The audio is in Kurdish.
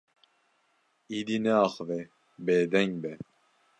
Êdî neaxive, bêdeng be.